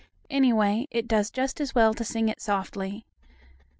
Anyway, it does just as well to sing it softly.